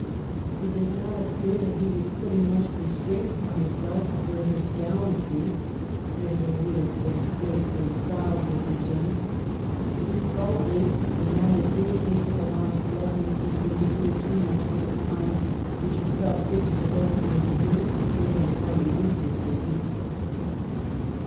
It does not appear that he was putting much constraint upon himself where his gallantries, as they would then have been gracefully styled, were concerned. But he probably would not in any case have allowed his love making to interfere too much with the time which he 268 THE REIGN OF QUEEN ANNE. ch. xxxiii. thought fit to devote to his administrative and Parliamentary business.